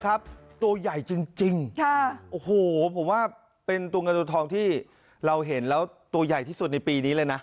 ตัวใหญ่จริงโอ้โหผมว่าเป็นตัวเงินตัวทองที่เราเห็นแล้วตัวใหญ่ที่สุดในปีนี้เลยนะ